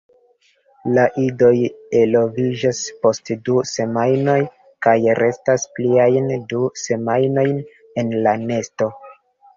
La idoj eloviĝas post du semajnoj kaj restas pliajn du semajnojn en la nesto.